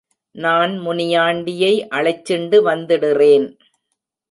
நான் முனியாண்டியை அழைச்சிண்டு வந்திடுறேன்.